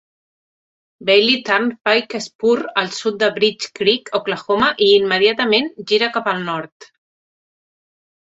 Bailey Turnpike Spur, al sud de Bridge Creek, Oklahoma, i immediatament gira cap al nord.